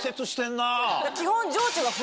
基本。